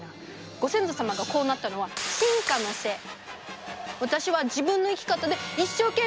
ご先祖様がこうなったのは私は自分の生き方で一生懸命生きてるだけ！